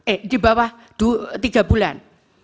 eh di bawah tiga bulan